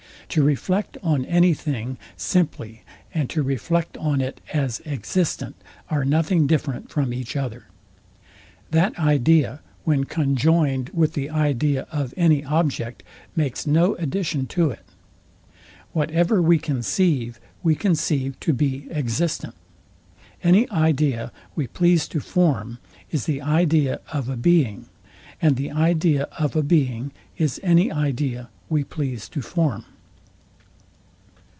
To reflect on any thing simply, and to reflect on it as existent, are nothing different from each other. That idea, when conjoined with the idea of any object, makes no addition to it. Whatever we conceive, we conceive to be existent. Any idea we please to form is the idea of a being; and the idea of a being is any idea we please to form.